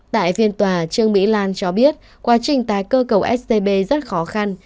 tại phiên tòa trương mỹ lan cho biết quá trình tái cơ cầu scb rất khó khăn